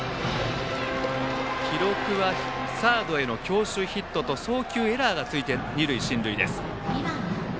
記録はサードへの強襲ヒットと送球エラーがついて二塁進塁です。